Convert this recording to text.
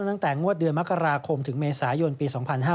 ตั้งแต่งวดเดือนมกราคมถึงเมษายนปี๒๕๕๙